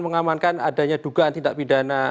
mengamankan adanya dugaan tindak pidana